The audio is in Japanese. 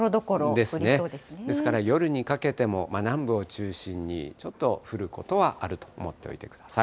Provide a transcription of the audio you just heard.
ですから夜にかけても南部を中心に、ちょっと降ることはあると思っておいてください。